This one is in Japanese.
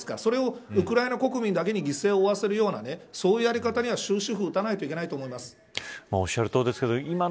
それをウクライナ国民だけに犠牲を負わせるようなそういうやり方には終止符を打たなければいけないと思います。